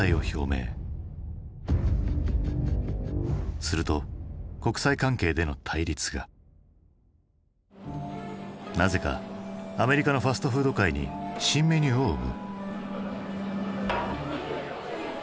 すると国際関係での対立がなぜかアメリカのファストフード界に新メニューを生む。